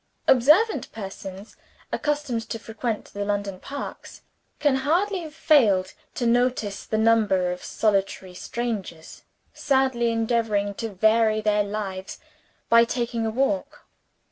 Observant persons, accustomed to frequent the London parks, can hardly have failed to notice the number of solitary strangers sadly endeavoring to vary their lives by taking a walk.